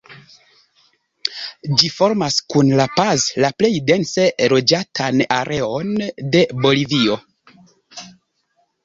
Ĝi formas kun La Paz la plej dense loĝatan areon de Bolivio.